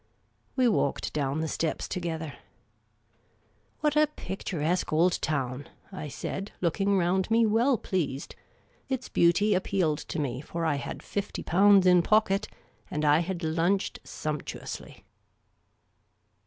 We walked down the steps together. " What a pictur esque old town !" I said, looking round me, well pleased. Its beauty appealed to me, for I had fifty pounds in pocket, and I h;id lunched sumptuously.